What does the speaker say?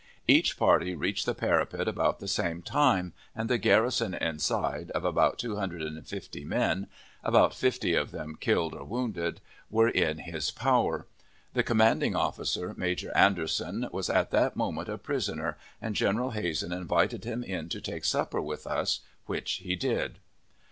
Each party reached the parapet about the same time, and the garrison inside, of about two hundred and fifty men (about fifty of them killed or wounded), were in his power. The commanding officer, Major Anderson, was at that moment a prisoner, and General Hazen invited him in to take supper with us, which he did.